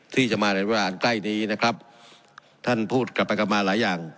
ที่จะมาในเวลาใกล้นี้นะครับท่านพูดกลับไปกลับมาหลายอย่าง